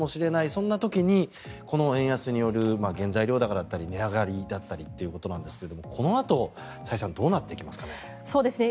そんな時にこの円安による原材料高だったり値上がりだったりですがこのあと、崔さんどうなっていきますかね。